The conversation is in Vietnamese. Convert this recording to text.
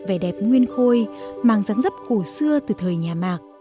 vẻ đẹp nguyên khôi mang rắn rấp cổ xưa từ thời nhà mạc